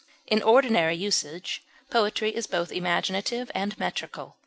In ordinary usage, poetry is both imaginative and metrical.